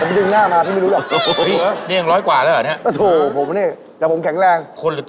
เออนี่ยังไม่เท่าไหร่ถ้าเกิดไปเจอบ้านอยู่ไหนปูนพิท